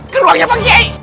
ke ruangnya pakku kucai